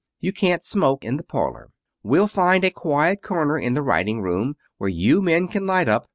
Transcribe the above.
You can't smoke in the parlor. We'll find a quiet corner in the writing room, where you men can light up.